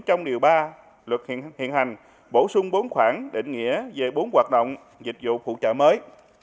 trong điều ba luật hiện hành bổ sung bốn khoản định nghĩa về bốn hoạt động dịch vụ phụ trợ mới